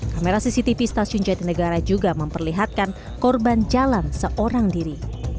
kamera cctv stasiun jatinegara juga memperlihatkan korban jalan seorang diri